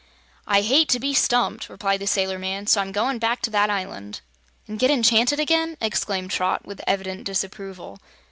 "I hate to be stumped," replied the sailor man; "so I'm goin' back to that island." "And get enchanted again?" exclaimed Trot, with evident disapproval.